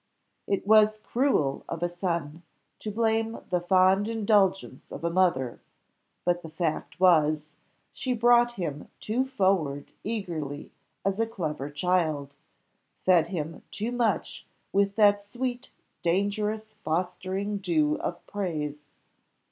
It was cruel of a son to blame the fond indulgence of a mother; but the fact was, she brought him too forward early as a clever child, fed him too much with that sweet dangerous fostering dew of praise.